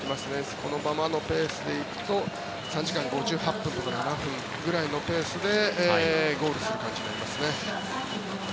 このままのペースでいくと３時間５８分とか５７分とかのペースでゴールする感じになりますね。